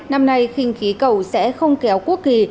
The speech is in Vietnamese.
năm nay khinh khí cầu sẽ không kéo quốc kỳ